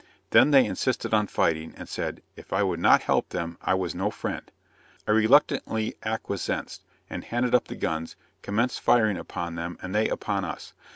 Then they insisted on fighting, and said "if I would not help them, I was no friend." I reluctantly acquiesced, and handed up the guns commenced firing upon them and they upon us.